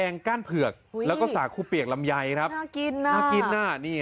น่ากิน